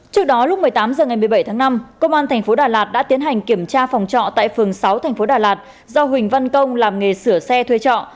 trước đó lúc một mươi tám h ngày một mươi bảy tháng năm công an tp đà lạt đã tiến hành kiểm tra phòng trọ tại phường sáu tp đà lạt do huỳnh văn công làm nghề sửa xe thuê trọ